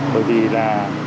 bởi vì là